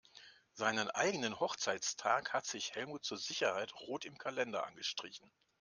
Seinen eigenen Hochzeitstag hat sich Helmut zur Sicherheit rot im Kalender angestrichen.